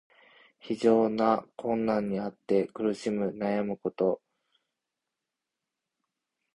非常な困難にあって苦しみ悩むこと。「艱」「難」はともにつらい、苦しい、悩むの意。「辛苦」はつらく苦しいこと。つらい目にあって悩むこと。